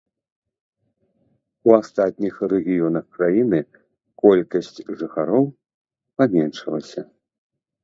У астатніх рэгіёнах краіны колькасць жыхароў паменшылася.